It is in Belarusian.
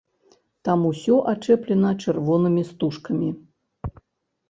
Там усё ачэплена чырвонымі стужкамі.